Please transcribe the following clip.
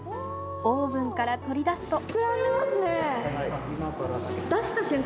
オーブンから取り出すと。